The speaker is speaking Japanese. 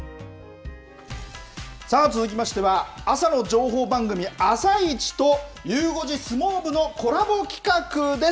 さあ、続きましては、朝の情報番組、あさイチとゆう５時相撲部のコラボ企画です。